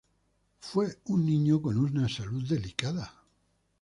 Fue un niño con una salud delicada.